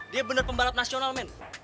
dia benar pembalap nasional men